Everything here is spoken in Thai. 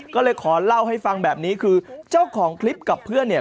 ก็เลยขอเล่าให้ฟังแบบนี้คือเจ้าของคลิปกับเพื่อนเนี่ย